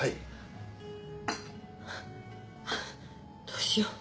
どうしよう。